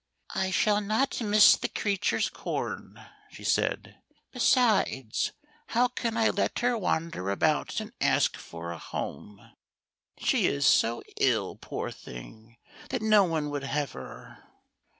*' I shall not miss the creature's corn," she said ;" besides, how can I let her wander about and seek for a home "i THE GOLDEN HEN. 57 She is SO ill, poor thing, that no one would have her."